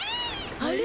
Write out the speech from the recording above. あれ？